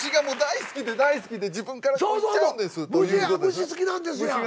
「虫好きなんです」やん。